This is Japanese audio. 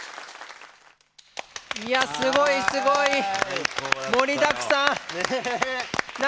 すごい、すごい！盛りだくさん！